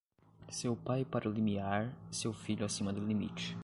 Seu pai para o limiar, seu filho acima do limite.